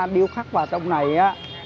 điêu khắc vào trong này á